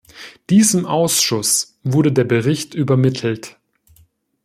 Diesem Ausschuss wurde der Bericht übermittelt.